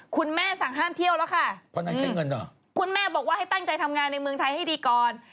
คุณแม่สั่งห้ามเที่ยวละค่ะคุณแม่บอกว่าให้ตั้งใจทำงานในเมืองไทยให้ดีก่อน